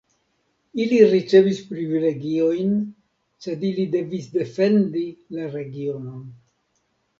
Ili ricevis privilegiojn, sed ili devis defendi la regionon.